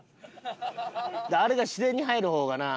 あれが自然に入る方がな。